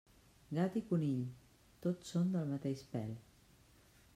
Gat i conill, tots són del mateix pèl.